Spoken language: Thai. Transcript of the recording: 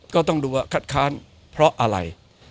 ก็ต้องดูว่าคัดค้านเพราะอะไร